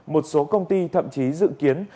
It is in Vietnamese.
một số công ty thậm chí dự kiến